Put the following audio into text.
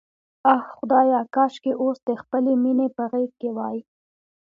آه خدایه، کاشکې اوس د خپلې مینې په غېږ کې وای.